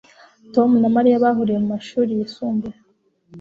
Tom na Mariya bahuriye mu mashuri yisumbuye